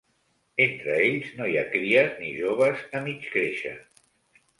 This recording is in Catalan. Entre ells no hi ha cries ni joves a mig créixer.